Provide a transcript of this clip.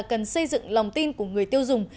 cần xây dựng lòng tin của người tiêu dùng